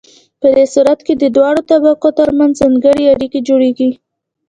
په دې صورت کې د دواړو طبقو ترمنځ ځانګړې اړیکې جوړیږي.